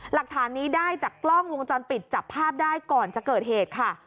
หลักฐานนี้ได้จากกล้องวงจรปิดจับภาพได้ก่อนจะเกิดเหตุค่ะ